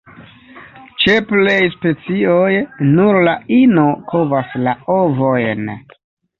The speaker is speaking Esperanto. Ĉe plej specioj, nur la ino kovas la ovojn.